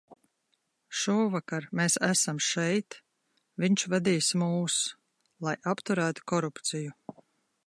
Šovakar mēs esam šeit, viņš vadīs mūs, lai apturētu korupciju.